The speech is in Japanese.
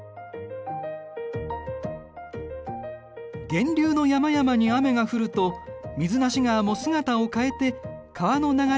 源流の山々に雨が降ると水無川も姿を変えて川の流れが現れる。